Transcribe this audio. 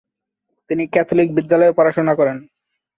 তিনি ক্যাথলিক বিদ্যালয়ে পড়াশোনা করেন।